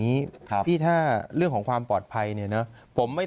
นี้ครับพี่ถ้าเรื่องของความปลอดภัยเนี่ยเนอะผมไม่